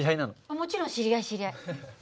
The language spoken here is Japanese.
もちろん知り合い知り合い。